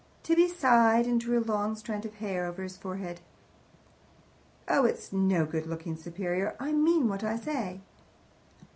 Tibby sighed, and drew a long strand of hair over his forehead. "Oh, it's no good looking superior. I mean what I say."